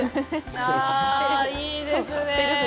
いや、いいですね。